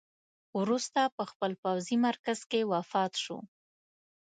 وروسته په خپل پوځي مرکز کې وفات شو.